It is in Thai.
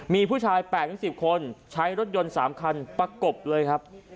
มีผู้ชาย๘๑๐คนใช้รถยนต์๓คันประกบเลยครับ